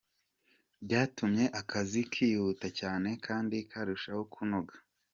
Byatumye akazi kihuta cyane kandi karushaho kunoga.